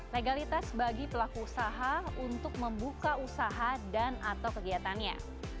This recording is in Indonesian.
legalitas bagi pelaku usaha untuk membuka usaha dan atau kegiatannya